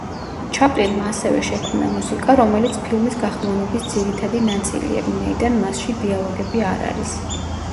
ჩაპლინმა ასევე შექმნა მუსიკა, რომელიც ფილმის გახმოვანების ძირითადი ნაწილია, ვინაიდან მასში დიალოგები არ არის.